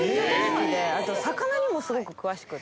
あと魚にもすごく詳しくて。